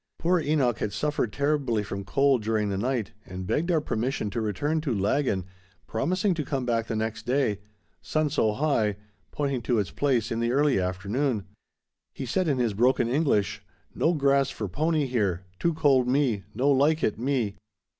Poor Enoch had suffered terribly from cold during the night, and begged our permission to return to Laggan, promising to come back the next day—"sun so high," pointing to its place in the early afternoon. He said in his broken English: "No grass for pony here, too cold me; no like it me."